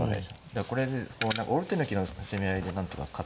だからこれでこうオール手抜きの攻め合いでなんとか勝つ順を。